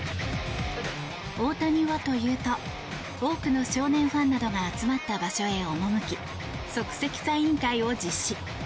大谷はというと多くの少年ファンなどが集まった場所へ赴き即席サイン会を実施。